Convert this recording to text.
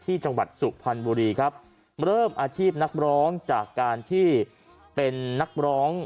จังหวัดสุพรรณบุรีครับเริ่มอาชีพนักร้องจากการที่เป็นนักร้อง